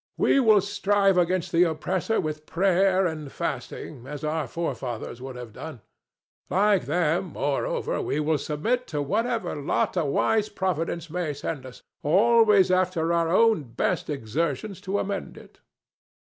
We will strive against the oppressor with prayer and fasting, as our forefathers would have done. Like them, moreover, we will submit to whatever lot a wise Providence may send us—always after our own best exertions to amend it."